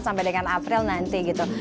sampai dengan april nanti gitu